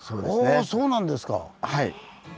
あぁそうなんですか。